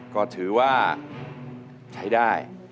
ก็ถือว่าใช้ได้